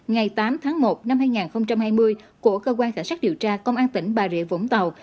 ngày tám tháng một năm hai nghìn hai mươi của cơ quan cảnh sát điều tra công an tỉnh bà rịa vũng tàu